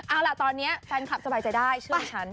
เอาล่ะตอนนี้แฟนคลับสบายใจได้เชื่อฉัน